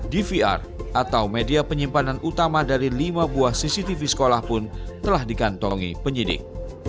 dvr atau media penyimpanan utama dari lima buah cctv sekolah pun telah dikantongi penyidik